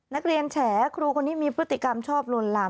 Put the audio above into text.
นักเรียนแฉครูคนนี้มีพฤติกรรมชอบโรนลาม